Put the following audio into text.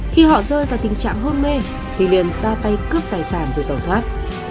khi họ rơi vào tình trạng hôn mê thì liền ra tay cướp tài sản rồi tẩu thoát